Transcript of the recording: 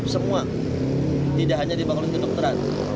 semua tidak hanya di bangunan ketuk terat